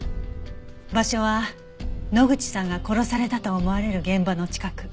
場所は野口さんが殺されたと思われる現場の近く。